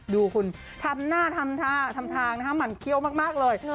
ดูคุณทำหน้าทำทางมันเคี้ยวมากเลย